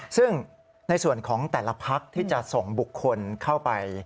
ซึ่งในส่วนของแต่ละพักที่จะส่งบุคคลเข้าไป